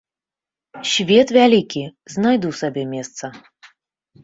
Свет вялікі, знайду сабе месца.